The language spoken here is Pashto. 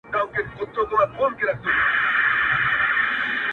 • هم خالق یې هم سلطان یې د وگړو -